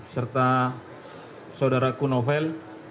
serta saudaraku novel